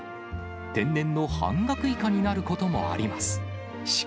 天然の半額以下になることもあります。